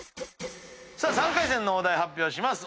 さあ３回戦のお題発表します。